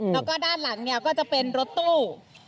แล้วก็ด้านหลังเนี่ยก็จะเป็นรถตู้